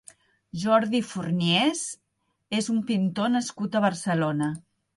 Jordi Forniés és un pintor nascut a Barcelona.